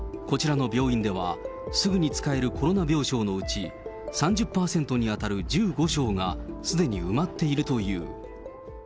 こちらの病院では、すぐに使えるコロナ病床のうち、３０％に当たる１５床がすでに埋まっているという。